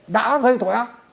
đã gây thỏa ác